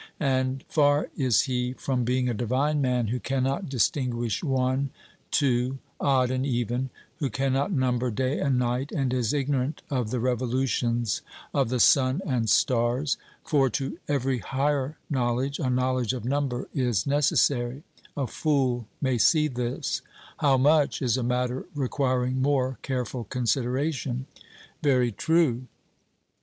And far is he from being a divine man who cannot distinguish one, two, odd and even; who cannot number day and night, and is ignorant of the revolutions of the sun and stars; for to every higher knowledge a knowledge of number is necessary a fool may see this; how much, is a matter requiring more careful consideration. 'Very true.'